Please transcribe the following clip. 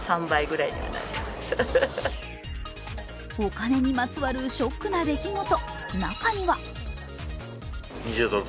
お金にまつわるショックな出来事。